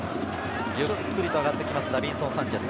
ゆっくりと上がってきます、ダビンソン・サンチェス。